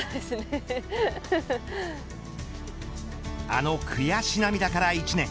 あの悔し涙から１年。